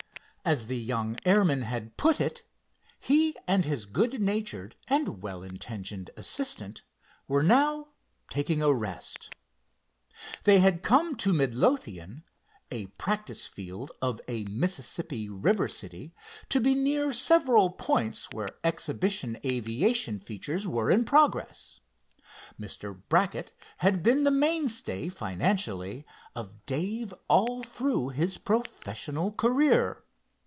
As the young airman had put it, he and his good natured and well intentioned assistant were now "taking a rest." They had come to Midlothian, a practice field of a Mississippi river city, to be near several points where exhibition aviation features were in progress. Mr. Brackett had been the mainstay, financially, of Dave all through his professional career.